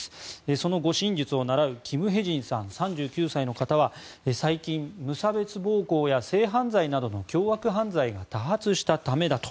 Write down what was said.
その護身術を習うキム・ヘジンさん、３９歳は最近、無差別暴行や性犯罪などの凶悪犯罪が多発したためだと。